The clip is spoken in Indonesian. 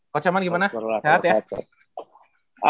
coach eman gimana sehat ya